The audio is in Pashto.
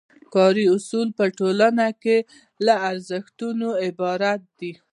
کاري اصول په ټولنه کې له ارزښتونو عبارت دي.